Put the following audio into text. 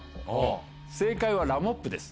正解はラモップです。